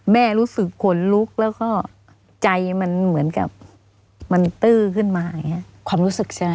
รู้สึกขนลุกแล้วก็ใจมันเหมือนกับมันตื้อขึ้นมาอย่างนี้ความรู้สึกใช่ไหม